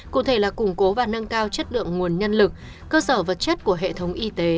cụ thể là củng cố và nâng cao chất lượng nguồn nhân lực cơ sở vật chất của hệ thống y tế